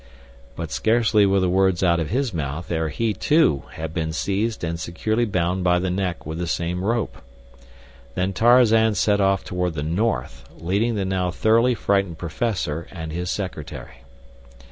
But scarcely were the words out of his mouth ere he, too, had been seized and securely bound by the neck with the same rope. Then Tarzan set off toward the north, leading the now thoroughly frightened professor and his secretary.